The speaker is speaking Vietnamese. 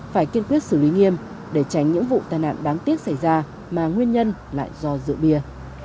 phải kiên quyết xử lý nghiêm để tránh những vụ tai nạn đáng tiếc xảy ra mà nguyên nhân lại do rượu bia